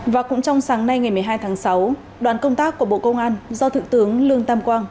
và cũng trong sáng nay ngày một mươi hai tháng sáu đoàn công tác của bộ công an do thượng tướng lương tam quang